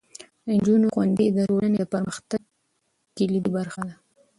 د نجونو ښوونځی د ټولنې د پرمختګ کلیدي برخه ده.